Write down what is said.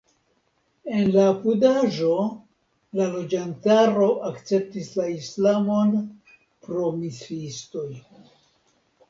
En la apudaĵo la loĝantaro akceptis la islamon pro misiistoj.